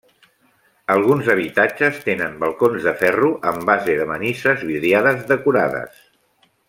Alguns habitatges tenen balcons de ferro amb base de manises vidriades decorades.